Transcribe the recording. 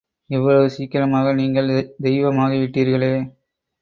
இவ்வளவு சீக்கிரமாக நீங்கள் தெய்வமாகி விட்டீர்களே!...